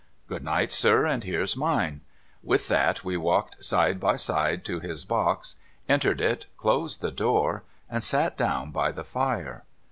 ' Good night, sir, and here's mine.' With that we walked side by side to his box, entered it, closed the door, and sat down by the fire.